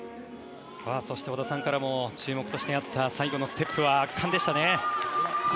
織田さんからも注目としてあった最後のステップ圧巻でしたね。